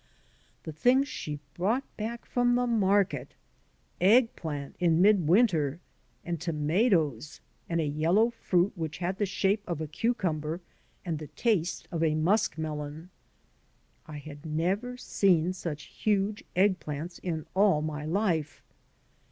The things she brought back from market! Egg plant in midwinter, and tomatoes, and a yellow fruit which had the shape of a cucumber and the taste of a muskmelon. I had never seen such huge eggplants in all my life.